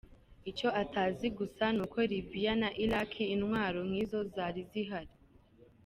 Icyo atazi gusa ni uko Libiya na Iraki intwaro nk’izo zari zihari.